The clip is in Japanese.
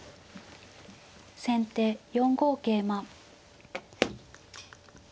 先手４五桂馬。